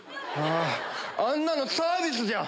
あんなのサービスじゃん！